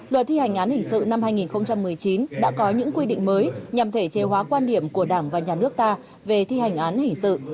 luật thi hành án hình sự năm hai nghìn một mươi chín đã có những quy định mới nhằm thể chế hóa quan điểm của đảng và nhà nước ta về thi hành án hình sự